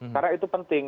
karena itu penting